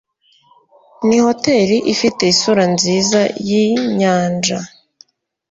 Iyi hoteri ifite isura nziza yinyanja.